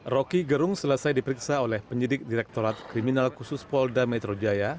roky gerung selesai diperiksa oleh penyidik direktorat kriminal khusus polda metro jaya